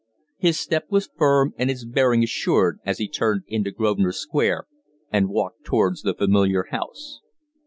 His step was firm and his bearing assured as he turned into Grosvenor Square and walked towards the familiar house.